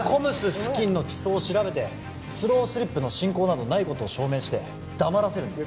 付近の地層を調べてスロースリップの進行などないことを証明して黙らせるんです